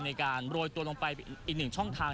ในการโรยตัวลงไปอีกหนึ่งช่องทาง